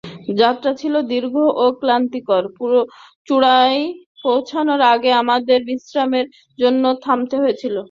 যাত্রাটা ছিল দীর্ঘ ও ক্লান্তিকর, চূড়ায় পৌঁছানোর আগে আমাদের বিশ্রামের জন্য থামতে হয়েছিল।